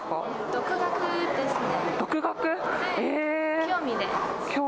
独学ですね。